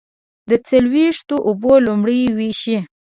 د څښلو اوبه لومړی وېشوئ.